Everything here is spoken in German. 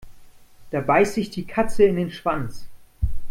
Da beißt sich die Katze in den Schwanz.